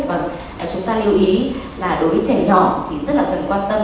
và chúng ta lưu ý là đối với trẻ nhỏ thì rất là cần quan tâm